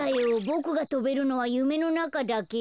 ボクがとべるのはゆめのなかだけ。